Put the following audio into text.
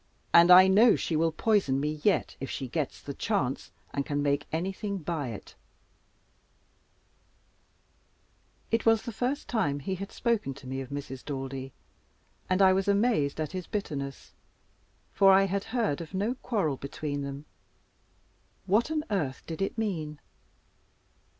And I know she will poison me yet, if she gets the chance, and can make anything by it." It was the first time he had spoken to me of Mrs. Daldy, and I was amazed at his bitterness, for I had heard of no quarrel between them. What on earth did it mean?